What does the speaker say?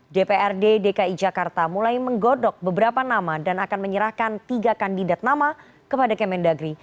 dprd dki jakarta mulai menggodok beberapa nama dan akan menyerahkan tiga kandidat nama kepada kemendagri